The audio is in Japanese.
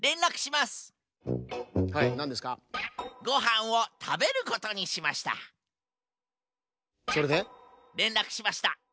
ごはんをたべることにしました。